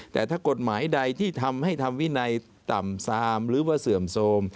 แต่ถ้ากฎหมายใดที่ทำให้ทำวินัยต่ำซามหรือว่าเสื่อมโทรม